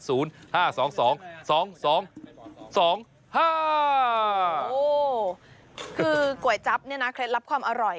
โอ้โหก๋วคือก๋วยจั๊บเนี่ยนะเคล็ดลับความอร่อย